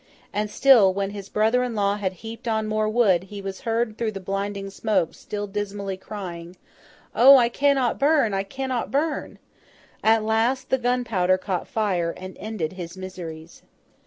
And still, when his brother in law had heaped on more wood, he was heard through the blinding smoke, still dismally crying, 'O! I cannot burn, I cannot burn!' At last, the gunpowder caught fire, and ended his miseries.